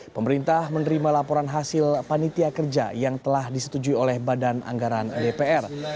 pemerintah menerima laporan hasil panitia kerja yang telah disetujui oleh badan anggaran dpr